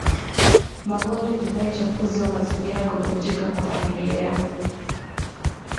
magonjwa jinai uchafuzi wa mazingira kuvunjika kwa familia